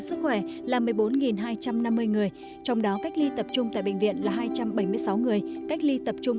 sức khỏe là một mươi bốn hai trăm năm mươi người trong đó cách ly tập trung tại bệnh viện là hai trăm bảy mươi sáu người cách ly tập trung